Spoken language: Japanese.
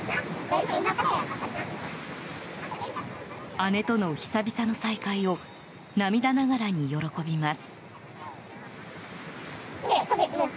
姉との久々の再会を涙ながらに喜びます。